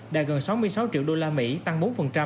đạt gần sáu mươi sáu triệu usd tăng bốn